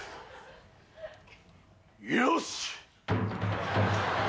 よし！